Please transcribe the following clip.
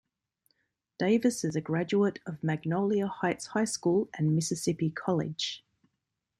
Davis is a graduate of Magnolia Heights High School and Mississippi College.